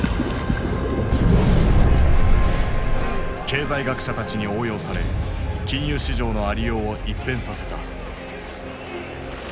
経済学者たちに応用され金融市場のありようを一変させた。